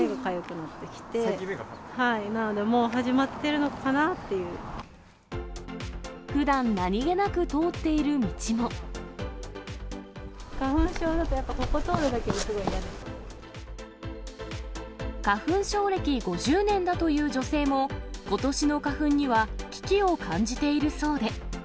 なのでもう、始まってるのかな？っていう。ふだん何気なく通っている道花粉症だとやっぱ、ここ通る花粉症歴５０年だという女性も、ことしの花粉には危機を感じているそうで。